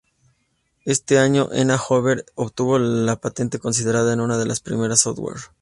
Este año, Erna Hoover obtuvo la patente, considerada una de las primeras de software.